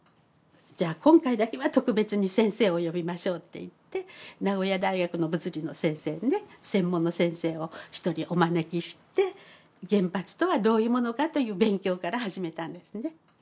じゃあ今回だけは特別に先生を呼びましょうっていって名古屋大学の物理の先生ね専門の先生を一人お招きして原発とはどういうものかという勉強から始めたんですね。